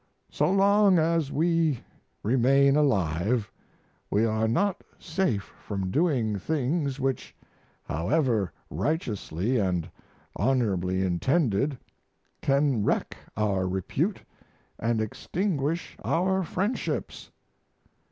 So long as we remain alive we are not safe from doing things which, however righteously and honorably intended, can wreck our repute and extinguish our friendships.